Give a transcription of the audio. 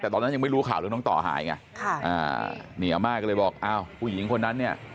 แต่ตอนนั้นยังไม่รู้ข่าวเรื่องน้องต่อหายไงอามาบอกอ้าวผู้หญิงคนนั้นเนี่ย